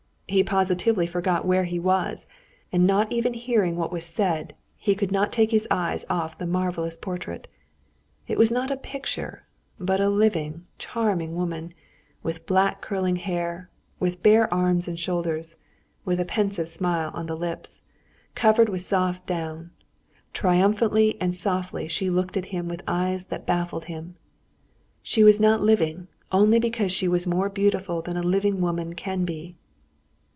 He positively forgot where he was, and not even hearing what was said, he could not take his eyes off the marvelous portrait. It was not a picture, but a living, charming woman, with black curling hair, with bare arms and shoulders, with a pensive smile on the lips, covered with soft down; triumphantly and softly she looked at him with eyes that baffled him. She was not living only because she was more beautiful than a living woman can be.